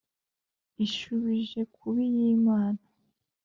Ishubije kuba iy’ Imana,